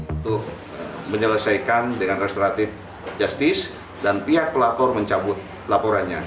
untuk menyelesaikan dengan restoratif justice dan pihak pelapor mencabut laporannya